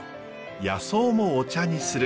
野草もお茶にする。